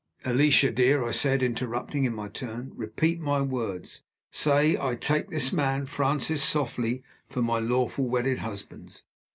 "Alicia, dear," I said, interrupting in my turn, "repeat my words. Say 'I take this man, Francis Softly, for my lawful wedded husband.